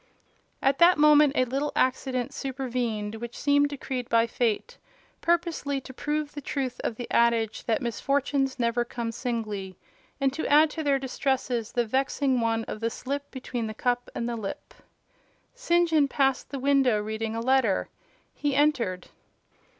At that moment a little accident supervened, which seemed decreed by fate purposely to prove the truth of the adage, that "misfortunes never come singly," and to add to their distresses the vexing one of the slip between the cup and the lip. St. John passed the window reading a letter. He entered.